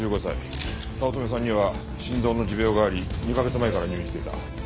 早乙女さんには心臓の持病があり２カ月前から入院していた。